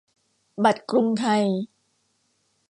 บัตรกรุงไทย